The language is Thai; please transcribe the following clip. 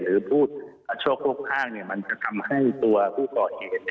หรือพูดโชครวบข้างมันจะทำให้ตัวผู้ก่อเหตุ